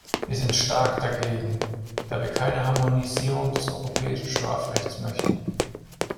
Wir sind stark dagegen, da wir keine Harmonisierung des europäischen Strafrechts möchten.